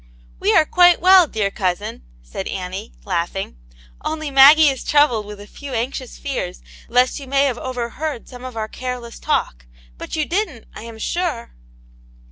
'* "We are quite well, dear cousin,*' said Annie, laughing, "only Maggie is troubled with a f^w anxious fears lest you may have overheard some of our careless talk ; but you didn't, I am sure